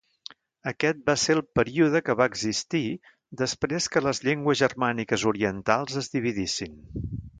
Aquest va ser el període que va existir després que les llengües germàniques orientals es dividissin.